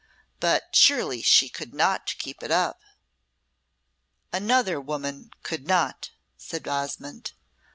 But surely she could not keep it up!" "Another woman could not," said Osmonde.